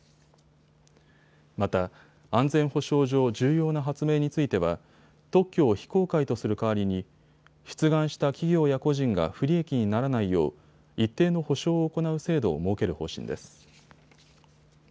また安全保障上重要な発明については特許を非公開とする代わりに出願した企業や個人が不利益にならないよう一定の補償を行う制度を設ける方針です。